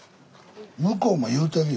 向こうも言うてるよ。